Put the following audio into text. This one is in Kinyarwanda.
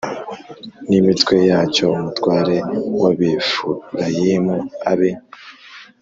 n imitwe yacyo umutware w Abefurayimu abe